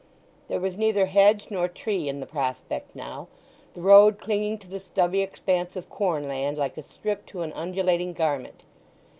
There was neither hedge nor tree in the prospect now, the road clinging to the stubby expanse of corn land like a strip to an undulating garment.